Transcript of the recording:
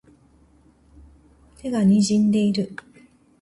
手が悴んでいる